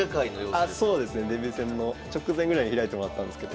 あそうですね。デビュー戦の直前ぐらいに開いてもらったんですけど。